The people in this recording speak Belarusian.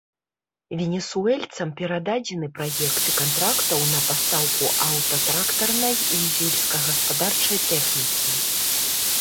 Венесуэльцам перададзены праекты кантрактаў на пастаўку аўтатрактарнай і сельскагаспадарчай тэхнікі.